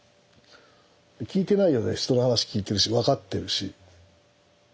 聞いてないようで人の話聞いてるし分かってるし。